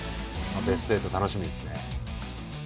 ベスト８楽しみですね。